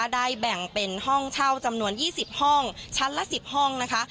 แบ่งเป็นห้องเช่าจำนวน๒๐ห้องชั้นละ๑๐ห้องนะคะ